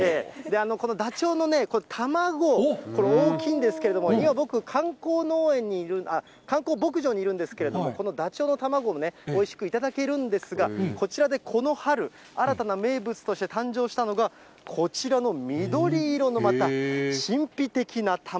このダチョウの卵、大きいんですけれども、今、僕、観光牧場にいるんですけれども、このダチョウの卵をおいしく頂けるんですが、こちらでこの春、新たな名物として誕生したのが、こちらの緑色の神秘的な卵。